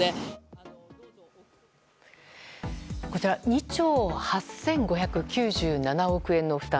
２兆８５９７億円の負担。